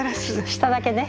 下だけね。